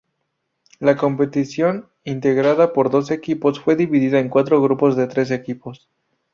La competición, integrada por doce equipos fue dividida en cuatro grupos de tres equipos.